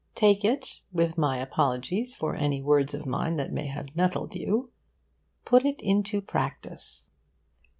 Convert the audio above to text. Take it, with my apologies for any words of mine that may have nettled you. Put it into practice.